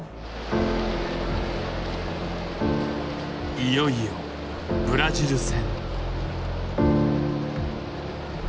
いよいよブラジル戦。